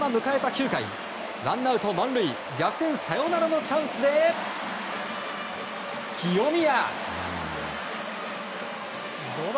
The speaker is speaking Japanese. ９回ワンアウト満塁逆転サヨナラのチャンスで清宮。